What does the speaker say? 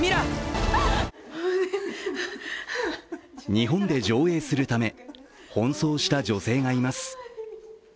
日本で上映するため、奔走した女性がいます。